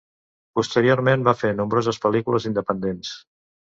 Posteriorment va fer nombroses pel·lícules independents.